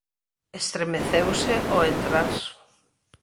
Estremeceuse ó entrar.